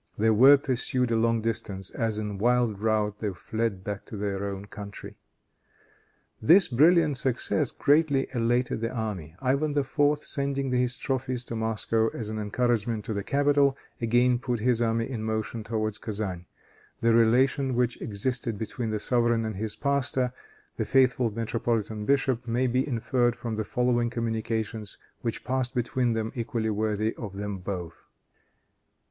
They were pursued a long distance as in wild rout they fled back to their own country. This brilliant success greatly elated the army. Ivan IV., sending his trophies to Moscow, as an encouragement to the capital, again put his army in motion towards Kezan. The relation which existed between the sovereign and his pastor, the faithful metropolitan bishop, may be inferred from the following communications which passed between them, equally worthy of them both.